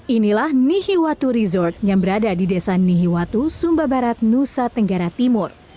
inilah nihiwatu resort yang berada di desa nihiwatu sumba barat nusa tenggara timur